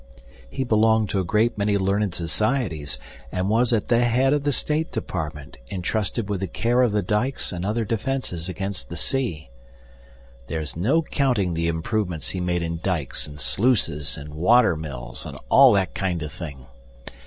He belonged to a great many learned societies and was at the head of the State Department intrusted with the care of the dikes and other defences against the sea. There's no counting the improvements he made in dikes and sluices and water mills and all that kind of thing.